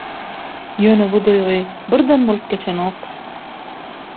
Ýöne bu duýgy birden bolup geçenok.